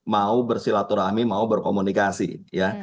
mau bersilaturahmi mau berkomunikasi ya